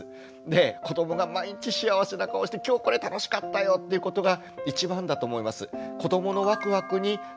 で子どもが毎日幸せな顔して今日これ楽しかったよっていうことが一番だと思います。